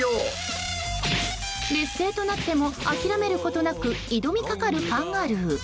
劣勢となっても諦めることなく挑みかかるカンガルー。